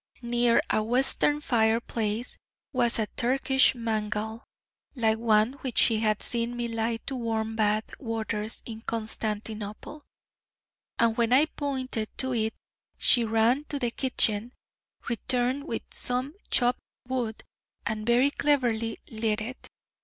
Near a Western fire place was a Turkish mangal, like one which she had seen me light to warm bath waters in Constantinople, and when I pointed to it, she ran to the kitchen, returned with some chopped wood, and very cleverly lit it.